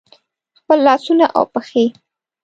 خپل لاسونه او پښې